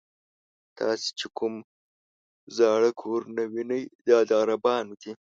تاسې چې کوم زاړه کورونه وینئ دا د عربانو دي.